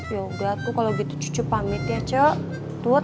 ya udah aku kalo gitu cucu pamit ya ce tut